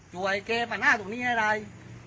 ช่วยแกปรนะตรงนี้ให้ราย